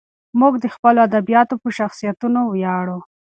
موږ د خپلو ادیبانو په شخصیتونو ویاړو.